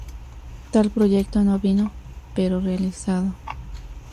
Tal proyecto no vino pero realizado.